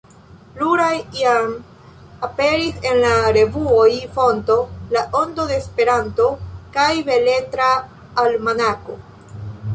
Pluraj jam aperis en la revuoj Fonto, La Ondo de Esperanto kaj Beletra Almanako.